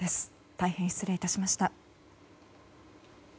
大変失礼いたしました。